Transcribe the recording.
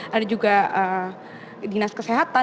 ada juga dinas kesehatan